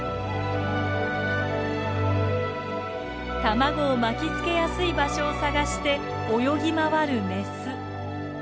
卵を巻きつけやすい場所を探して泳ぎ回るメス。